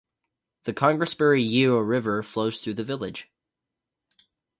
The Congresbury Yeo river flows through the village.